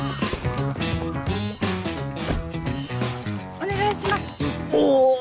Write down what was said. お願いしますおぉ。